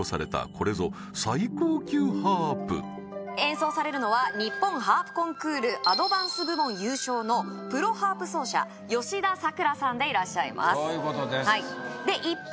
これぞ最高級ハープ演奏されるのは日本ハープコンクールアドバンス部門優勝のプロハープ奏者吉田瑳矩果さんでいらっしゃいますそういうことですで一方